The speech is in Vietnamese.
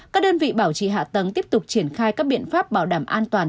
các đơn vị bảo trì hạ tầng tiếp tục triển khai các biện pháp bảo đảm an toàn